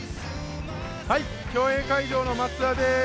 競泳会場の松田です。